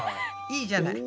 いいじゃない。